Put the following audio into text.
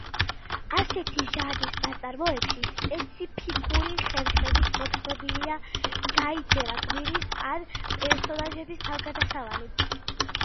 ასეთი ჟანრის ნაწარმოებში სპეციფიკური ხერხებით მოთხრობილია გაიძვერა გმირის ან პერსონაჟების თავგადასავალი.